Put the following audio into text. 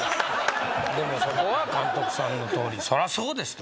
でもそこは監督さんのとおり「そりゃそうです」と。